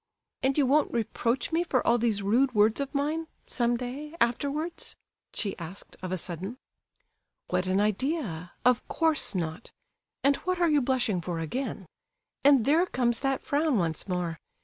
"And you won't reproach me for all these rude words of mine—some day—afterwards?" she asked, of a sudden. "What an idea! Of course not. And what are you blushing for again? And there comes that frown once more!